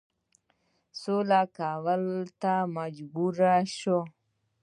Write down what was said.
سولي کولو ته مجبور شو.